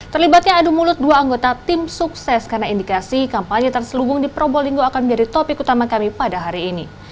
terlibatnya adu mulut dua anggota tim sukses karena indikasi kampanye terselubung di probolinggo akan menjadi topik utama kami pada hari ini